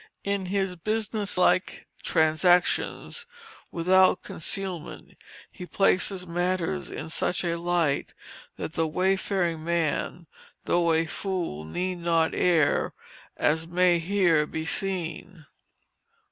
In his business like transactions, without concealment, he places matters in such a light that the wayfaring man, though a fool, need not err, as may here be seen.